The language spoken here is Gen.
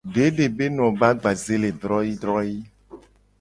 Dede be no be agbaze le droyii droyii.